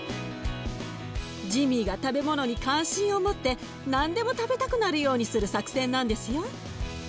ジミーが食べ物に関心を持って何でも食べたくなるようにする作戦なんですよ。